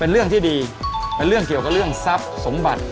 เรื่องที่ดีเป็นเรื่องเกี่ยวกับเรื่องทรัพย์สมบัติ